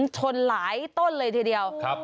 ชนหลายต้นเลยทีเดียว